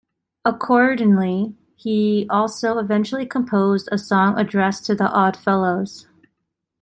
Accordingly, he also eventually composed a song addressed to the Oddfellows.